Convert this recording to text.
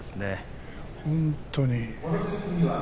本当に。